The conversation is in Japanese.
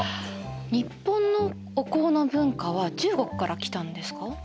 日本のお香の文化は中国から来たんですか？